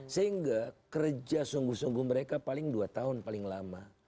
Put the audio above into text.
sehingga kerja sungguh sungguh mereka paling dua tahun paling lama